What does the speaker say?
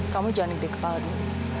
kamu jangan dikepala dulu